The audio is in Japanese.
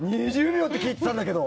２０秒って聞いてたんだけど。